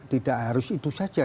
tidak harus itu saja